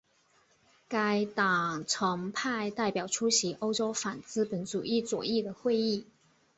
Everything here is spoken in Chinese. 该党曾派代表出席欧洲反资本主义左翼的会议。